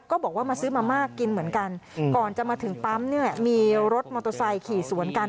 บอกว่ามาซื้อมาม่ากินเหมือนกันก่อนจะมาถึงปั๊มเนี่ยมีรถมอเตอร์ไซค์ขี่สวนกัน